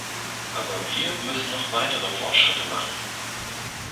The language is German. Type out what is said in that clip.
Aber wir müssen noch weitere Fortschritte machen.